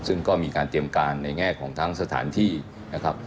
ซึ่งก็มีการเตรียมการในแง่ของทั้งสถานที่นะครับ